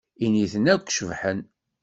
Initen akk cebḥen.